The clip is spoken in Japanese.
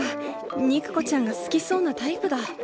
肉子ちゃんが好きそうなタイプだ。